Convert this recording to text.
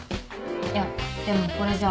いやでもこれじゃあ